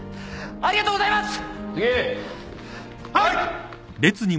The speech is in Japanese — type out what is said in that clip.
ありがとうございます！